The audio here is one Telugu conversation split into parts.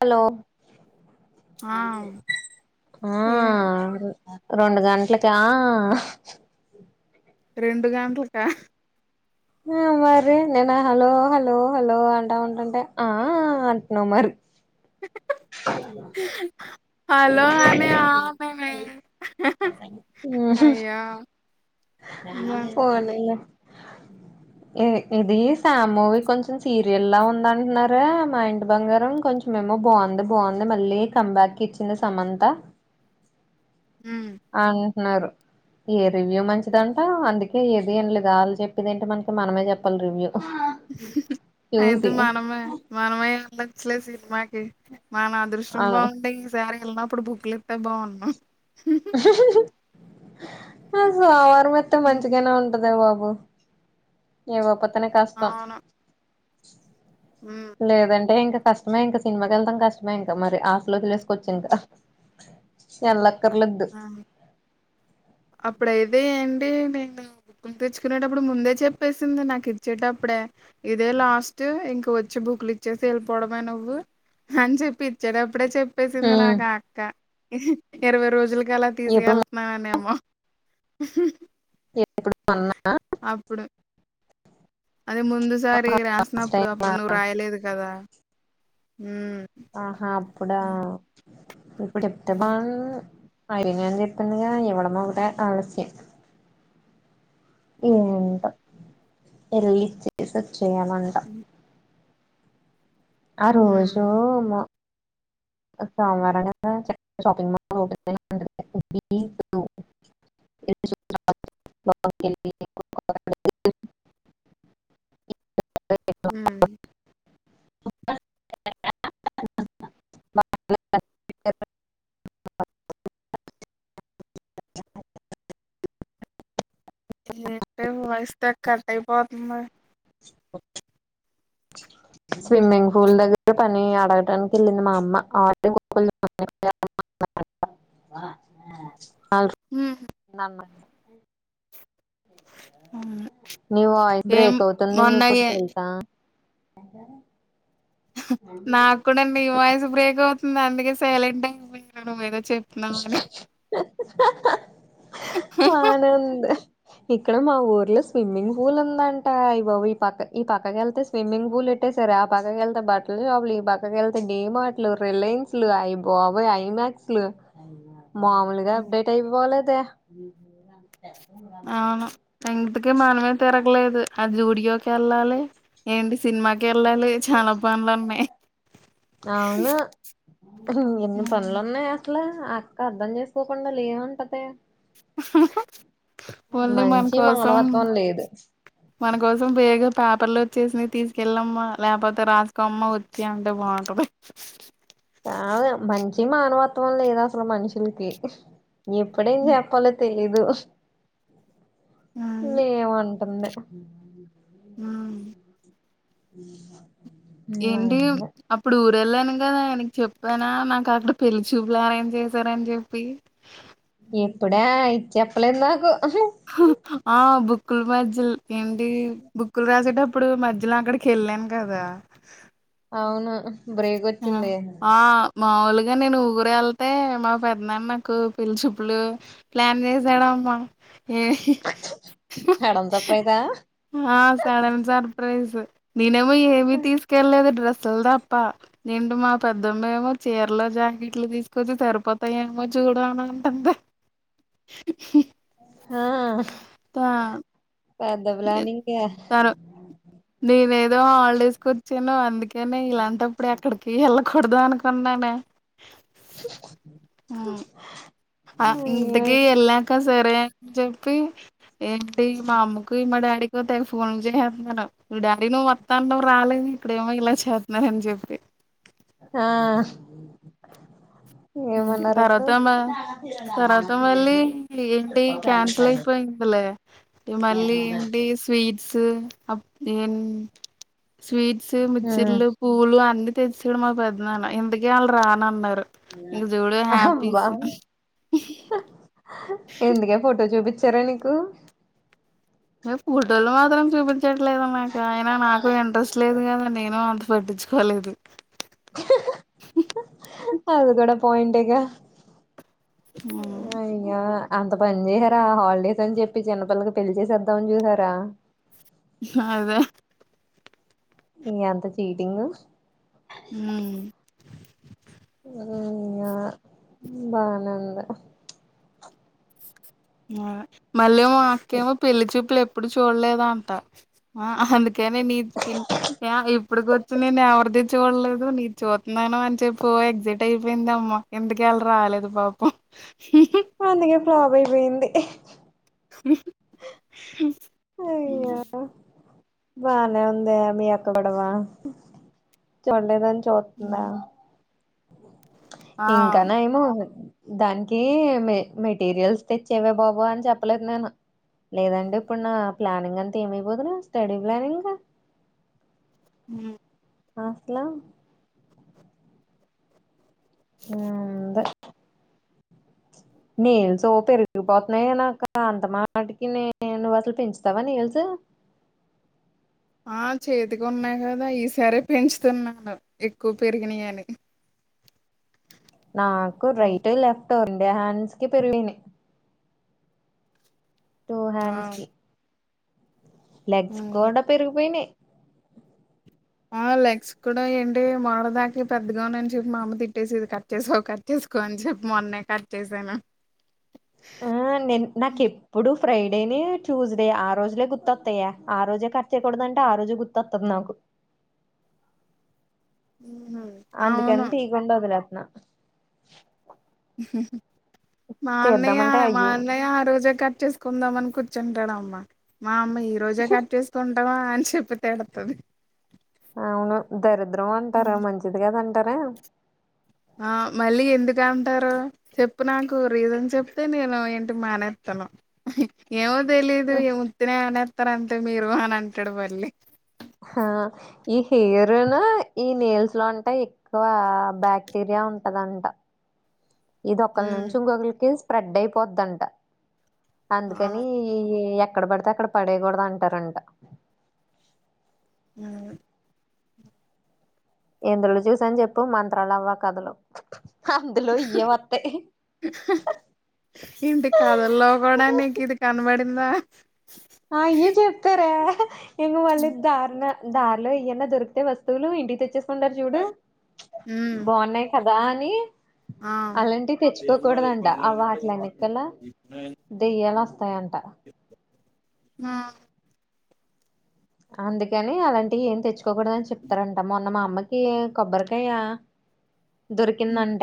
హలో ఆ ఆ ఏ రెండు గంటలకా ఆ రెండు గంట్లకా ఆ మరి నేను హలో హలో హలో అంటా ఉంటుంటే ఆా అంటున్నావు మరి హ హలో అనే అపామె పోనీలె ఇది సామ్ మువీ కొంచెం సీరియల్లా ఉందంటున్నర మా ఇంటి బంగారం కొంచెం మేము బాగుంది బాగుంది మళ్ళీ కంబ్యాక్ ఇచ్చింది సమంత మ్ అంటున్నారు ఈ రివ్యూ మంచ్ చిదంట అందుకే ఏది ఇన్ లేదు ఆళ్ళు చెప్పిది ఏంటి మనకి మనమే చెప్పాలి రివ్యూ అయితే చూసి మనమే మనమే ఏళ్ళోచ్చు లే సినిమాకి మన అదృష్టం అవును బాగుంటే ఇంగ బెర్గేళ్ళినప్పుడు బుక్కులు ఇస్తే బాగుండును సోమవారం వత్తే మంచిగానే ఉంటదే బాబు ఇవ్వపోతే కష్టం మ్ లేదంటే ఇంక కష్టమే ఇంక సినిమాకేళ్ళడం కష్టమే ఇంకా మరి ఆశలోసుకోవచ్చు ఇంక ఎల్లక్కర్లేద్దు ఆ అప్పుడయితే ఎంటి నిన్ను తెచ్చుకునేటప్పుడు ముందే చెప్పేసింది నాకు ఇచ్చేటప్పుడే ఇదే లాస్ట్ ఇంక వచ్చి బుక్లు ఇచ్చేసి వెళ్ళిపోవడమే నువ్వు అని చెప్పి ఇచ్చేటప్పుడే చెప్పేసింది ఉమ్ నాకు ఆ అక్క ఇరవై రోజులకి అలా ఎప్పుడు తీసుకెళ్ నాననేమొ ఏ ఇప్పుడు మన్నా ప్పుడు అదే ముందు సారి లాస్ట్ రాసినప్పుడు టైమ్ అప్పుడు నువ్వు రాయలేదు కదా మ్ ఆహా అప్పుడా ఇప్పుడు ఇప్తే బాగుండును అడిగినా అని చెప్పింగ ఇవ్వడం ఒకటే ఆలస్యం ఏంటో ఏళ్ళి ఇచ్చేసి వచ్చేయమంట ఆ రోజు హ్మ్ మ రేపు సోమవారంగా చెప్ షపింగ్ మాల్ ఓపెన్ చేసి ఉంటది [inaudible] స మ్ ఏంటే తెగ కట్టయి పోతుంది ఓ స్విమ్మింగ్ పూల్ దగ్గర పని అడగటానికి వెళ్ళింది మా అమ్మ ఆ [unintelligible] ఆల్ మ్ నన్నే అవును నీ వాయిస్ ఏం బ్రేక్ అవుతుంది మొన్న నీకోటి ఏ తెలుసా నాకు కూడా ని వాయిస్ బ్రేక్ అవుతుంది అందుకే సైలెంట్ అయిపోయిన నువ్ ఏదో చెప్ ఆనంద్ ఇక్కడ మా ఊర్లో స్విమ్మింగ్ పూల్ ఉందంట అయ్య బాబోయ్ ఈ పక్ ఈ పక్కకేళ్తే స్విమ్మింగ్ పూల్ ఉంట్టే సరే ఆ పక్కకేళ్తే బట్టల షాపులు ఈ పక్కకేళ్తే డి మాట్లు రిలయన్స్ ట్లు అయి బాబోయ్ ఐ మక్స్లు మామూలుగా హ్మ్. అప్డేట్ అయిపోలేదే అవును ఇందుకే మనమే తిరగలేదు అది గుడియోకి వెళ్ళాలి ఏంటి సినిమాకి ఎళ్ళాలి చాల పనులు ఉన్నాయి అవును ఎన్ని హ్మ్. పనులున్నాయ అట్ల అక్క అర్ధం చేసుకోకుండ లేవంటది వాళ్లు మన మంచి కోసం మానవత్వం లేదు మనకోసం వేగ పేపర్లు వచ్చేసింది తీసుకెళ్ళలమ్మా లేకపోతే రాసుకోమ్మా వచ్చి అంటే బాగుంటది కా మంచి మానవత్వం లేదు అసలు మనుషులకి ఎప్పుడేం హ్మ్. చెప్పాలి తెలీదు అది. లేవంటుంది ఆ ఎంటి అప్పుడు ఊరు వెళ్ళాను కదా ఆయనకి చెప్పానా నాకు అక్కడ పెళ్లి చూపులు అరేంజ్ చేశారని చెప్పి ఎప్పుడే ఇది చెప్పలేదు నాకు ఆ బుక్కులు మధ్యలు ఏంటి బుక్కులు రాసేటప్పుడు మధ్యలో అక్కడ [unintelligible] కెళ్ళాను కదా అవును బ్రేక్ ఆ వచ్చింది ఆ మాములుగా నేను ఊరు వెళ్తే మా పెద్దనాన్న నాకు పిల్లిచూప్పులు ప్లాన్ చేసాడు అమ్మా ఏ సడన్ సర్ప్రైజా ఆ సడన్ సర్ప్రైజ్ నేనేమో ఏమి తీసుకెళ్లేదు డ్రెస్సుల [unintelligible] మా పెద్దమ్మ ఏమో చీర్ లో జాకెట్లు తీసుకొచ్చి తరిపో [unintelligible] చూడు అని [unintelligible] ఆ త పెద్ద ప్లానింగే నేను ఏదో హాలిడేస్ కు వచ్చాను అందుకనే ఇలాంటప్పుడు ఎక్కడికి వెళ్ళకూడదు అనుకున్నానే ఉమ్, ఆ అయ్యో ఇంటికి వెళ్ళాక సరే అని చెప్పి ఏంటి మా [unintelligible] మా డాడీకి తెగ ఫోన్ [unintelligible] ఈ డాడీ నువ్వు మత్తాంటం రాలేదు ఇక్కడేమో ఇలా చేస్తున్నారని చెప్పి ఆ ఏమన్నారు అప్పుడు తర్వాత మ తర్వాత మళ్ళీ ఏంటి క్యానాసిల్ అయిపోయిందిలే ఈ మళ్ళీ ఏంటి స్వీ [unintelligible] స్వీట్స్ మిచ్చర్లు పూలు అన్ని తెచ్చఆడు [unintelligible] మా పెద్దన్న ఇందుకే వాళ్ళు రానన్నారు ఇంక చూడు అహ హ్యాపీస్ ఎందుకే ఫోటో చూపించారే నీకు ఫోటోలు మాత్రం [unintelligible] చ్చట్లేదు నాకు అయినా నాకు ఇంట్రెస్ట్ లేదు కదా నేను అంత పట్టించుకోలేదు అది కూడ [unintelligible] హ్మ్. అయ్యో అంత పని చేసార హాలిడేస్ అని చెప్పి చిన్నపల్లకి పెళ్లి చేద్దామని చూసారా [unintelligible] ఎంత చీటింగు అవును ఆ ఇంగ బానే ఉంది మల్లేమో మా అక్కేమో పెళ్ళి చూప్పులు ఎప్పుడు చూడలేదు అంట ఆ అందుకేనే నీ పిన్ ఆ ఇప్పడి వరకు నేను ఎవరిది చూడలేదు నీది చూత్తున్నాను అని చెప్ప ఓ ఎక్సైట్ అయిపోయింది అమ్మా ఎందుకే ఆళ్ళు రాలేదు పాపం అందుకే ఫ్లాప్ అయిపోయింది మ్ అయ్యో బానే ఉందే మీ అక్క కూడా బా చూడలేదని చూస్తుందా ఆ ఇంకా నయము దానికి మె మెటీరియల్స్ తెచ్చేవే బాబు అని చెప్పలేదు నేను లేదండి ఇప్పుడు నా ప్లానింగ్ అంతా ఏమైపోదును స్టడీ ప్లానింగ్ మ్మ్ మాస్ల మ్మ్ అంతే నేల్స్ పెరిగిపోతున్నయే నాకు అంత మాటికి నే నువ్వు అసలు పెంచుతావా నేల్స్ ఆ చేతికి ఉన్నాయి కదా ఈ సారి పెంచుతున్నాను ఎక్కువ పెరిగినయి అని నాకు రైట్ లెఫ్ట్ ఇండే హ్యాండ్స్ కి పెరిగినాయి టూ ఆ హ్యాండ్స్కి లెగ్స్ అవును. కూడా పెరిగిపోయినాయి ఆ లెగ్స్ కూడ ఏంటి మొర దాకి పెద్దగా ఉన్నాయని చెప్పి మా అమ్మ తిట్టేసిది కట్ చేసుకో కట్ చేసుకో అని చెప్పి మొన్నే కట్ చేశాను ఆ నే నాకి ఇప్పుడు ఫ్రైడేనే ట్యూస్డే ఆ రోజులే గుత్తోత్తయ ఆ రోజే కట్ చేయకూడదు అంటే ఆ రోజె గుర్తొత్తది నాకు మ్మ్ హు అందుకని తీకుండా వదిలేతన్న మా అన్నయ్య తీద్దామంటే మా అయ్యి అన్నయ ఆ రోజా కట్చెస్ కుందాం అని కూర్చుంటాడు అమ్మ మా అమ్మ ఈ రోజే కట్ చెస్ తుంటావా అన్ చెప్పి తిడతది అవును దరిద్రం అంటారా మంచిది కదంటారా ఆ మళ్ళీ ఎందుకు అంటారు చెప్పు నాకు రీజన్ చెప్తే నేను ఏంటి మానేస్తాను ఏమ తెలీదు ఇగ ఉత్తినే అనేస్తారు అంతే మీరు అని అంటాడు మళ్ళీ హ ఈ హెయిర్నా ఈ నేల్స్ లో అంటే ఎక్కువ బాక్టీరియా ఉంటదంట ఇది ఒకళ ఉమ్ నుంచి ఇంకొకరికి స్ప్రెడ్ అయిపోద్ంట ఆ అందుకని ఈయి ఎక్కడ పడితే అక్కడ పడేయకూడదు అంటారంట మ్మ్ ఎందులో చూసాను చెప్పు మంత్రాలు అవ్వ కథలు అందులో ఏం వత్తయ్ ఏంటి కథల్లో కూడా నీకు ఇది కనబడిందా ఆ అయ్యే చెప్పారే ఇది మళ్ళీ దారుణ దారిలో ఇయ్యన్న దొరికితే వస్తువులు ఇంటికి తెచ్చేసుకుంటారు చూడు ఉమ్ బాగున్నాయి కదా అని ఆ అలాంటివి అమ్మాది తెచ్చుకోకూడదంట పనులు ఆ అయ్యినట్టే వాటిలెనకల దెయ్యాలు వస్తాయంట నా అందుకని అలాంటివి ఏం తెచ్చుకోకూడదని చెప్తారంట మొన్న మా అమ్మకి కి కొబ్బరికాయ దొరికిందట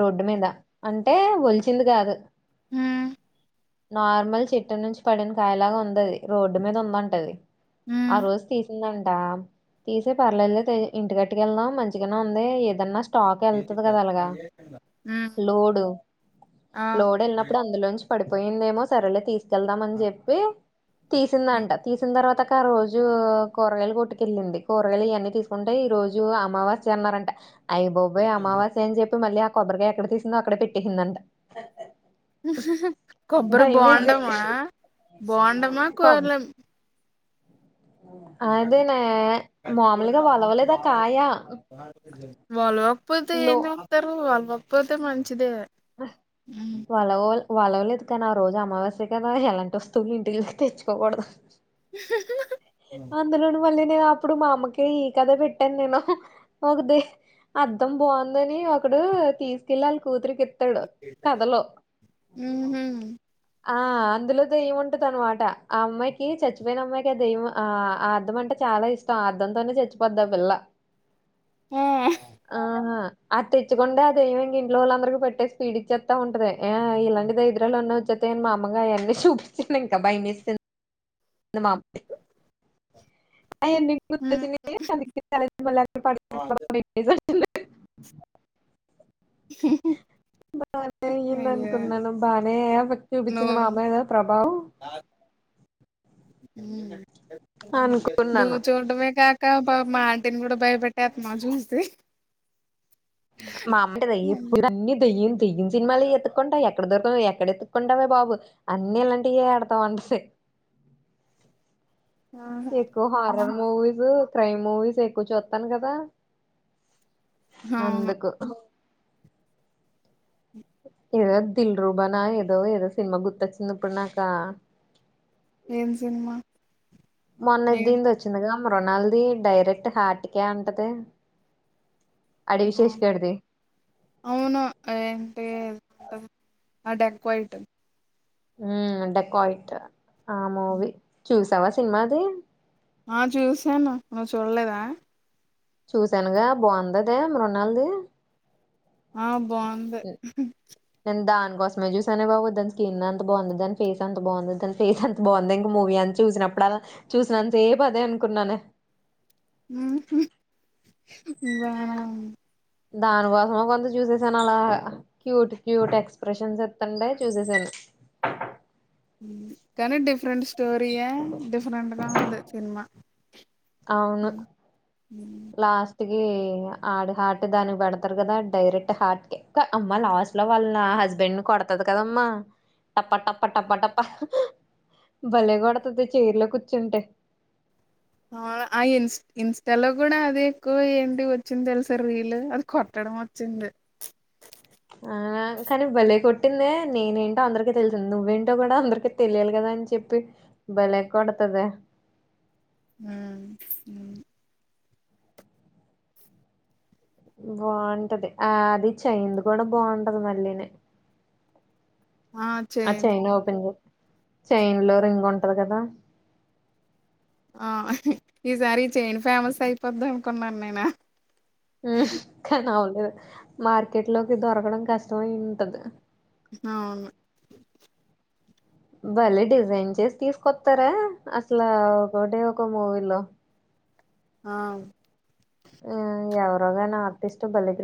రోడ్డు మీద అంటే వలిచింది కాదు ఉ నార్మల్ చెట్టు నుంచి పడిన కాయలాగా ఉందది రోడ్డు మీద ఉందంటది ఉమ్ ఆ రోజు తీసిందంట తీసే పర్లేదులేతే ఇంటి ఎట్టుకెళ్దాం మంచిగనే ఉంది ఏదన్నా స్టాక్ ఎల్తది కదా అలగా ఉమ్ లోడు ఆ లోడ్ ఎల్న్ ఇప్పుడు అందులోంచి పడిపోయిందేమో సరేలే తీస్ వెళ్దామని చెప్పి తీసిందంట తీసిన తర్వాత ఆ రోజు కూరగాయలు కొట్టుకెళ్ళింది కూరగాయలు ఇవన్నీ తీసుకుంటే ఈ రోజు అమావాస్య అన్నారంట అయి బోబోయ్ అమావాస్య అని జెప్పి మళ్ళీ ఆ కొబ్బరికాయ ఎక్కడ తీసిందో అక్కడ పెట్టేసిందంట కొబ్బరి భయమేసి బొండమా బొండమా కొబ్ కోర్లం అదేనే మాములుగా వలవలేదా కాయ ఆ వలువోకపోతే ఏం లో చెత్తారు వళ్ళవోకపోతే మంచిదే ఆ ఉమ్ వలవోల్ వలవలేదు కదా ఆ రోజు అమావాస్య కదా ఎలాంటి వస్తువులు ఇంటికి తెచ్చుకోకూడదు ఇ అందులోను వాళ్ళు వినే అప్పుడు మా అమ్మకి ఈ కథ పెట్టాను నేను ఒకది అద్దం బాగుందని ఒకడు తీసుకెళ్ళాలి కూతురికి ఎత్తడు కథలో ఉహు ఆ అందులో దయ్యముంటదనమాట ఆ అమ్మాయికి చచ్చిపోయిన అమ్మాయికి ఆ దెయ్యం ఆ అద్దం అంటే చాలా ఇష్టం అద్దంతోనే చచ్చిపోద్దా ఆ పిల్ల ఆ ఆహా అది తెచ్చకుండె అదేమి ఇంగ ఇంట్లో వాళ్ళందరికీ పెట్టేసి పిడిచేత్తా ఉంటది ఇలాంటి దరిద్రాలు ఉన్న వచ్చే తిన్న అమ్మగాయెన్ని చూపించలేం కదా భయమేస్తు మా ఓ ఆయన్ని ను నీ మళ్ళా [inaudible] బానే అయ్యింది అయ్యో అనుకున్నాను బానే ఎఫెక్ట్ నువ్వు చూపించింది మా అమ్మాయి మీద ప్రభావం హ్మ్ నువ్వు అనుకున్నాను చూడ్డమే కా కా ఈ పాప మా ఆంటీని కూడా బయటపెట్టెత్త మా జూసి మా అమ్మంటది ఎప్పుడూ అన్నీ దెయ్యం దయ్యం సినిమాలు ఎతుకుంటావు ఎక్కడ దొరకవు ఎక్కడ ఎత్తుకుంటావే బాబు అన్ని అలాంటివి ఎడతావ్ అంటది ఆహా. ఎక్కువ హర్రర్ మూవీస్ క్రైమ్ మూవీస్ ఎక్కువ చూత్తాను కదా అవును అందుకు ఏదో దిల్ రూబానా ఏదో ఏదో సినిమా గుర్తొచ్చింది ఇప్పుడు నాక ఏం సినిమా మొన్న ఏ దీంది వచ్చింది గా మృనాల్ది డైరెక్ట్ హార్ట్కే అంటది అడవి శేష్ బాం గాడిది అవును ఏంటి ఆ డెకాయిట్ హ్మ్మ్ డెకాయిట్ ఆ మూవీ చూసావా సినిమా అది ఆ చూసాను నువ్వు చూడలేదా చూశానుగా బాగుందది మృణాళ్ది ఆ బాగుంది నేను దాన్ కోస్మే చూసనే బాబు దాని స్కిన్ ఎంత బాగుంది దాని ఫేస్ ఎంత బాగుంది దాని ఫేస్ అంత బాగుంది ఇంక మూవీ అంత చూసినప్పుడు అలా చూసినంత సేపు అదే అనుకున్నానే బా దానికోసమే కొంత చూసేసాను అలా క్యూట్ క్యూట్ ఎక్స్ప్రెషన్స్ ఇత్తుంటే చుసేసాను కానీ డిఫరెంట్ స్టోరీయే డిఫరెంట్ గా ఉంది సినిమా అవును ఉమ్. లాస్ట్ టికి ఆడు హార్ట్ దానికి పెడతారు కదా డైరెక్ట్ హార్ట్ కి క్క అమ్మ లాస్ట్ లాస్ట్లో వాళ్ళు నా హస్బెండ్ ని కొడతది కదమ్మా టప్ప టప్ప టప్ప టప్ప భలేె కొడతది చైర్లో కూర్చుంటే అవు ఆ ఇస్ ఇన్స్టాలో కూడా అదే ఎక్కువ ఏంటి వచ్చింది తెలుసా రీల్ కొట్టడం వచ్చింది ఆ కానీ భలే కొట్టింది నేనేంటో అందరికి తెలిసింది నువ్వేంటో కూడా అందరికి తెలియాలి కదా అని చెప్పి బలే కొడతది ఊ బాగుంటది ఆది చైన్ది కూడా బాగుంటది మళ్ళీని ఆ చైన్ ఓపెన్ చైన్ లో రింగ్ ఉంటది కదా ఆ ఈసారి చేన్ ఫేమస్ అయిపోదనుకున్నాను నేను కాని అవలేదు మార్కెట్ లోకి దొరకడం కష్టమై ఉంటది అవును బలే డిజైన్ చేసి తీసుకొత్తారే అసలా ఒకకటి ఒక మూవీలో ఆ ఆ ఎవరో గని ఆర్టిస్టు బలే ప్రి